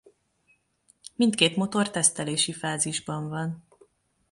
Mindkét motor tesztelési fázisban van.